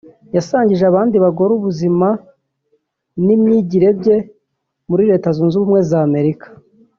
yasangije abandi bagore ubuzima n’ imyigire bye muri Leta Zunze Ubumwe za Amerika